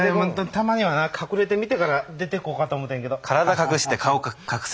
たまにはな隠れてみてから出てこうかと思てんけど。